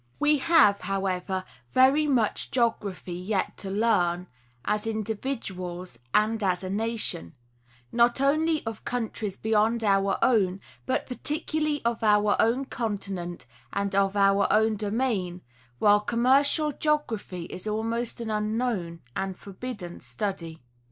We have, however, very much geography yet to learn, as indi viduals and as a nation; not only of countries beyond our own but particularly of our own continent and our own domain, while commercial geography is almost an unknown and forbidden study.